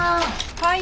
はい。